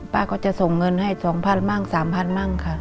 ป้าก็จะส่งเงินให้๒๐๐๐บาทบาทบาทบาทบาทค่ะ